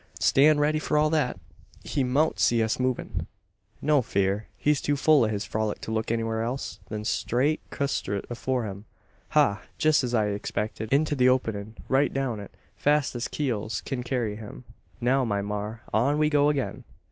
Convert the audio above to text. Stan' steady for all that. He mout see us movin'. "No fear. He's too full o' his frolic to look anywhar else, than straight custrut afore him. Ha! jest as I expected into the openin'! Right down it, fast as heels kin carry 'em! "Now, my maar, on we go agin!"